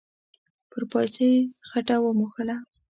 پر پايڅه يې خټه و موښله.